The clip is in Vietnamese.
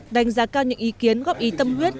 đánh giá cao những ý kiến góp ý tâm huyết